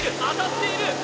当たっている！